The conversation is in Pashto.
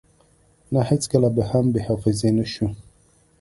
نه هیڅکله به هم بی حافظی نشو